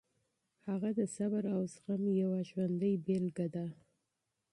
هغه د صبر او زغم یوه ژوندۍ بېلګه ده.